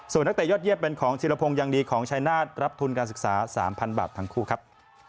ส่วนนักเตะยอดเยี่ยมเป็นของธิรพงศ์ยังดีของชายนาฏรับทุนการศึกษา๓๐๐บาททั้งคู่ครับ